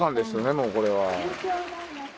もうこれは。